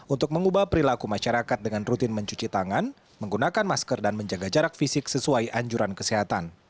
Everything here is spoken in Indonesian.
untuk mengubah perilaku masyarakat dengan rutin mencuci tangan menggunakan masker dan menjaga jarak fisik sesuai anjuran kesehatan